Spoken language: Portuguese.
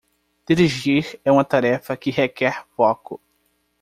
Dirigir é uma tarefa que requer foco.